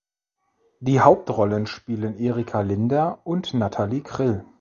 Die Hauptrollen spielen Erika Linder und Natalie Krill.